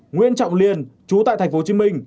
nguyễn trọng liên chú tại tp hcm